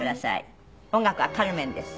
音楽は『カルメン』です。